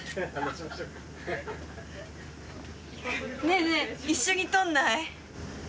ねぇねぇ一緒に撮んない？